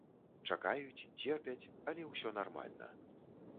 Чакаюць, церпяць, але ўсё нармальна.